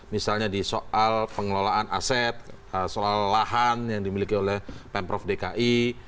misalnya di soal pengelolaan aset soal lahan yang dimiliki oleh pemprov dki